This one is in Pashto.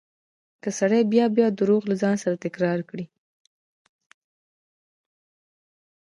که سړی بيا بيا درواغ له ځان سره تکرار کړي.